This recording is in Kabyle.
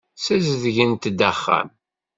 Ssazedgent-d axxam.